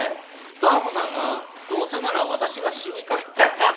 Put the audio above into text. ダー子さんがどうせなら私が死にかけたらってハハハ。